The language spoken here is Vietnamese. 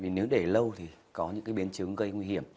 vì nếu để lâu thì có những cái biến chứng gây nguy hiểm